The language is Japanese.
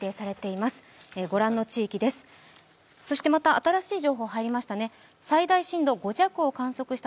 また新しい情報が入りました。